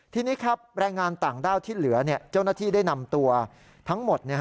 ทีนี้ครับแรงงานต่างด้าวที่เหลือเจ้าหน้าที่ได้นำตัวทั้งหมด